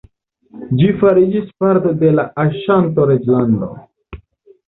Ĝi fariĝis parto de la Aŝanto-Reĝlando.